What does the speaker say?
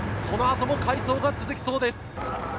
このあとも快走が続きそうです。